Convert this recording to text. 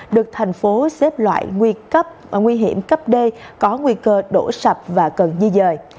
và một loại nguy hiểm cấp d có nguy cơ đổ sập và cần di dời